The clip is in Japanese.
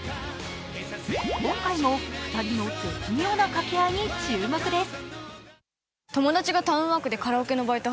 今回も２人の絶妙な掛け合いに注目です。